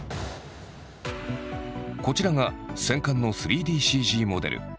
こちらが戦艦の３ＤＣＧモデル。